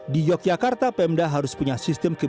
di yogyakarta pemda harus punya sistem